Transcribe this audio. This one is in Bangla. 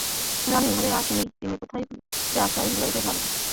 রমাই ঘরে আসিলে তিনি কোথায় যে আশ্রয় লইবেন ভাবিয়া পান না।